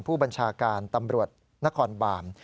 ผู้บัญชาการตำรวจนครบาม